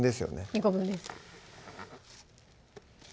２個分です